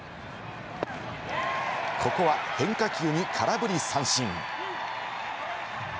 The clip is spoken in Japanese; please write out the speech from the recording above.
ここは変化球に空振り三振。